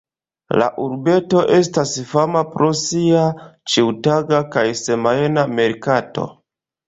La urbeto estas fama pro sia ĉiutaga kaj semajna merkato.